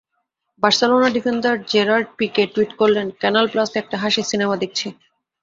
Barcelona defender Gerard Pique tweet করলেন—ক্যানাল প্লাসে একটা হাসির সিনেমা দেখছি।